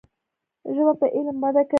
ژبه په علم وده کوي.